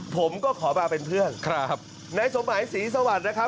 ผมก็ขอมาเป็นเพื่อนครับนายสมหมายศรีสวรรค์นะครับ